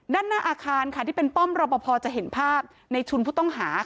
ด้านหน้าอาคารค่ะที่เป็นป้อมรอปภจะเห็นภาพในชุนผู้ต้องหา